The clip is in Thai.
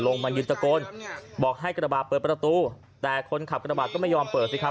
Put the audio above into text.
มายืนตะโกนบอกให้กระบาดเปิดประตูแต่คนขับกระบาดก็ไม่ยอมเปิดสิครับ